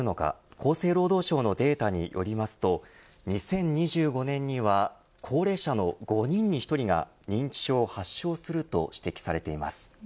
厚生労働省のデータによりますと２０２５年には高齢者の５人に１人が認知症を発症すると指摘されています。